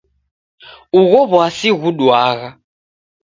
Ugho w'asi ghuduagha.